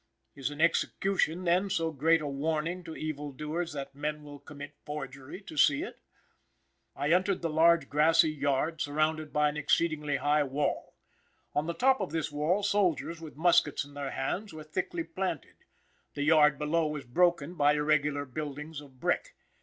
Is an execution, then, so great a warning to evil doers, that men will commit forgery to see it? I entered a large grassy yard, surrounded by an exceedingly high wall. On the top of this wall, soldiers with muskets in their hands, were thickly planted. The yard below was broken by irregular buildings of brick.